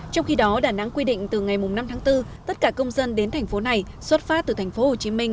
trong khi đó đà nẵng quy định từ ngày năm tháng bốn tất cả công dân đến thành phố này xuất phát từ thành phố hồ chí minh